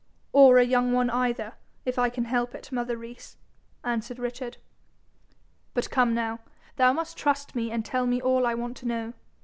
'Or a young one either, if I can help it Mother Rees,' answered Richard. 'But come now, thou must trust me, and tell me all I want to know.'